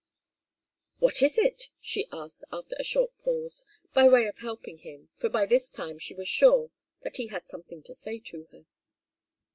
"What is it?" she asked, after a short pause, by way of helping him, for by this time she was sure that he had something to say to her.